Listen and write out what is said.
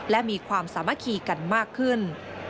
และมีความสามัคคีกันมากขึ้น